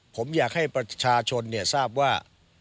ผมอยากให้ประชาชนทราบว่า